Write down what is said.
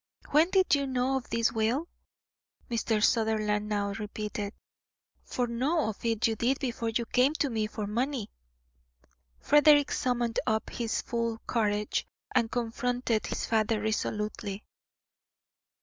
"When did you know of this will?" Mr. Sutherland now repeated. "For know of it you did before you came to me for money." Frederick summoned up his full courage and confronted his father resolutely.